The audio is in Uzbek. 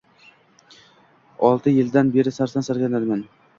Olti yildan beri sarson-sargardonman